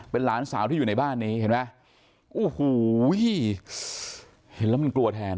เป็นหลานสาวที่อยู่ในบ้านนี้เห็นไหมโอ้โหเห็นแล้วมันกลัวแทน